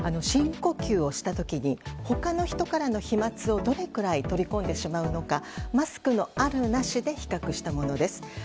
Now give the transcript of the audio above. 深呼吸をした時に他の人からの飛沫をどれくらい取り込んでしまうのかマスクのあるなしで比較したものです。